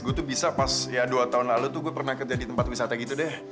gue tuh bisa pas ya dua tahun lalu tuh gue pernah kerja di tempat wisata gitu deh